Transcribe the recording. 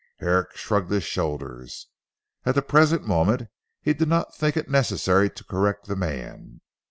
Herrick shrugged his shoulders. At the present moment he did not think it necessary to correct the man.